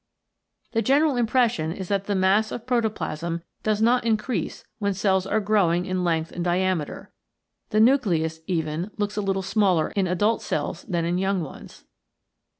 The general im pression is that the mass of protoplasm does not increase when cells are growing in length and diameter. The nucleus even looks a little smaller in adult cells than in young ones.